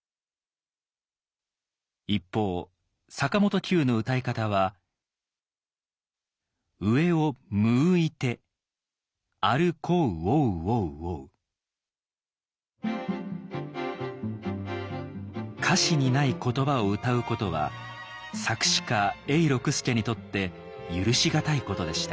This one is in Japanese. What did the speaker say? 一方坂本九の歌い方は歌詞にない言葉を歌うことは作詞家永六輔にとって許し難いことでした。